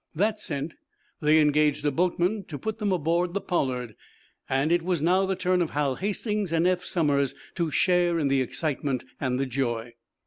That sent, they engaged a boatman to put them aboard the "Pollard." It was now the turn of Hal Hastings and Eph Somers to share in the excitement and the joy.